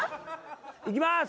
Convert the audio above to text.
いきます。